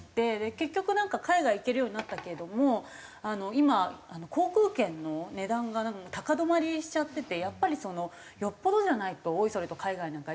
結局海外行けるようになったけれども今航空券の値段が高止まりしちゃっててやっぱりよっぽどじゃないとおいそれと海外なんか行けないっていって。